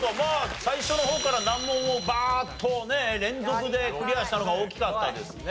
最初の方から難問をバーッと連続でクリアしたのが大きかったですね。